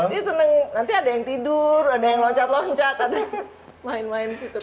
dia senang nanti ada yang tidur ada yang loncat loncat ada yang main main di situ